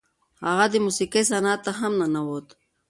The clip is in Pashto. هغه د موسیقۍ صنعت ته هم ننوت.